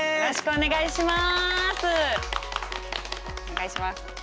お願いします。